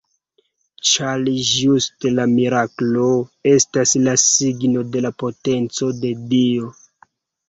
Ĉar ĝuste la miraklo estas la signo de la potenco de Dio.